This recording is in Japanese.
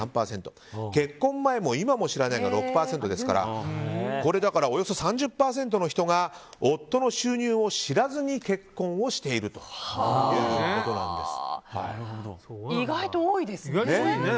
結婚前も今も知らないが６％ですからおよそ３０％の人が夫の収入を知らずに結婚をしているということなんです。